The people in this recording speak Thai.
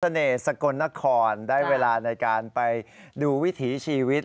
สกลนครได้เวลาในการไปดูวิถีชีวิต